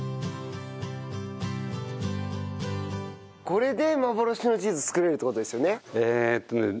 これで幻のチーズ作れるって事ですよね？